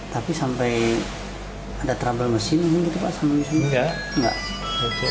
tapi sampai ada trouble mesin mungkin gitu pak